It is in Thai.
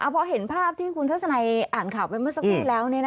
พอเห็นภาพที่คุณทัศนัยอ่านข่าวไปเมื่อสักครู่แล้ว